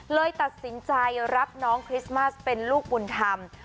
เลยตัดสินใจรับน้องคริสต์มัสเป็นลูกบุญธรรม